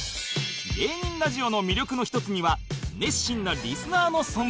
芸人ラジオの魅力の１つには熱心なリスナーの存在も